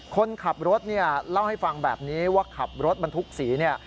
คนขับรถเล่าให้ฟังแบบนี้ว่าขับรถบรรทุกศรี